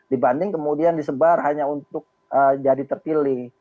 dibanding kemudian disebar hanya untuk jadi terpilih